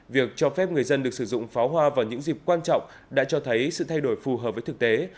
việc cho phép người dân được sử dụng pháo hoa vào những dịp quan trọng đã cho thấy sự thay đổi phù hợp với thực tế